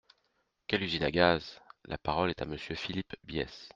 Quelle usine à gaz ! La parole est à Monsieur Philippe Bies.